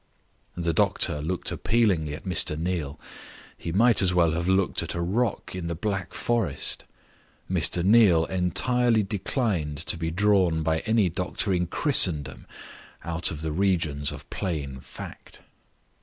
The doctor looked appealingly at Mr. Neal. He might as well have looked at a rock in the Black Forest. Mr. Neal entirely declined to be drawn by any doctor in Christendom out of the regions of plain fact.